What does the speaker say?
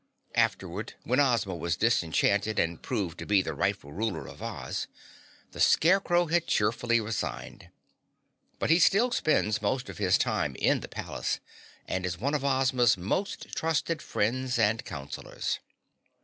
Afterward, when Ozma was disenchanted and proved to be the rightful ruler of Oz, the Scarecrow had cheerfully resigned. But he still spends most of his time in the palace and is one of Ozma's most trusted friends and counselors.